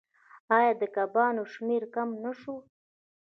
آیا د کبانو شمیر کم نشو؟